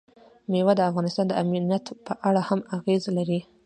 مېوې د افغانستان د امنیت په اړه هم اغېز لري.